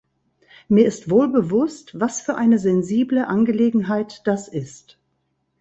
Mir ist wohl bewusst, was für eine sensible Angelegenheit das ist.